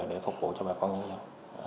để phục vụ cho bà con dân